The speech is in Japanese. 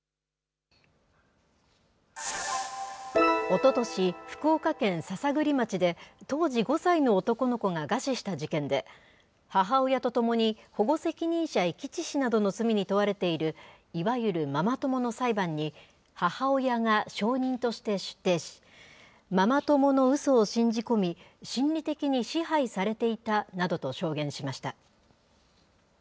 おととし、福岡県篠栗町で、当時５歳の男の子が餓死した事件で、母親とともに、保護責任者遺棄致死などの罪に問われている、いわゆるママ友の裁判に、母親が証人として出廷し、ママ友のうそを信じ込み、心理的に支配されていたなどと証言しました。